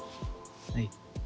はい。